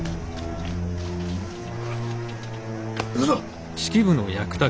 行くぞ！